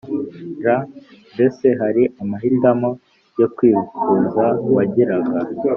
rr Mbese hari amahitamo yo kwivuza wagiraga